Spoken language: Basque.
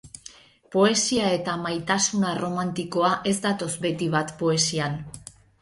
Poesia eta maitasuna erromantikoa ez datoz beti bat poesian.